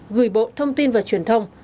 gửi bộ thông tin và truyền thông